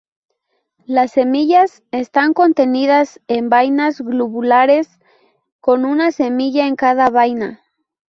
Las semillas están contenidas en vainas globulares, con una semilla en cada vaina.